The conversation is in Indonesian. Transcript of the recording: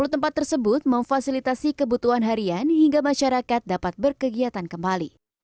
sepuluh tempat tersebut memfasilitasi kebutuhan harian hingga masyarakat dapat berkegiatan kembali